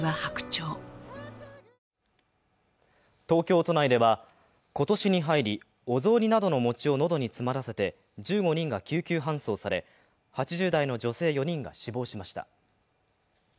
東京都内では今年に入り、お雑煮などの餅を喉に詰まらせて１５人が救急搬送され８０代の女性４人が死亡しました。